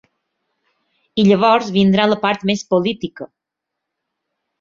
I llavors vindrà la part més política.